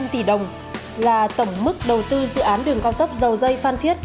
một mươi bảy bảy trăm linh tỷ đồng là tổng mức đầu tư dự án đường con tốc dầu dây phan thiết